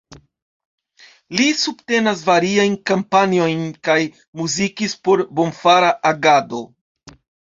Li subtenas variajn kampanjojn kaj muzikis por bonfara agado.